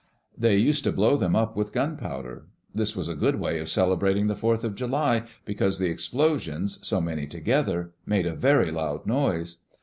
They used to blow them up with gunpowder. This was a good way of celebrating the Fourth of July, because the explosions, so many together, made a very loud noise.